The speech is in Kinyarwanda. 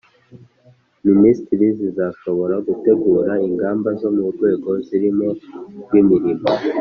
minisiteri zizashobora gutegura ingamba zo mu rwego zirimo rw'imirimo